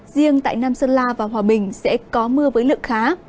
riêng tại nam sơn la và hòa bình sẽ có mưa với lượng khá